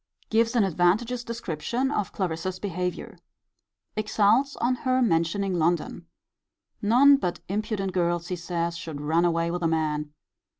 Gives an advantageous description of Clarissa's behaviour. Exults on her mentioning London. None but impudent girls, he says, should run away with a man.